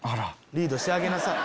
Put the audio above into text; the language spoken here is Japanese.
リードしてあげなさい。